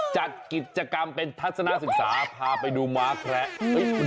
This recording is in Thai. จัดกิจกรรมเป็นทัศนศึกษาพาไปดูม้าแคระ